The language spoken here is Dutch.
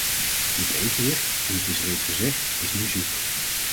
Dit evenwicht, en het is reeds gezegd, is nu zoek.